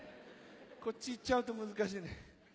こっちいっちゃうと難しい。